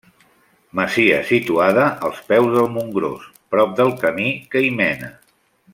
Masia situada als peus del Montgròs, prop del camí que hi mena.